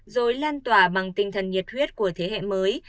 rồi lan tỏa bằng tinh thần nhiệt huyết của thế hệ mới